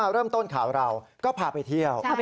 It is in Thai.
เริ่มต้นข่าวเราก็พาไปเที่ยว